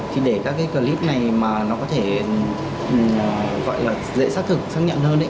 thì để các cái clip này mà nó có thể gọi là dễ xác thực xác nhận hơn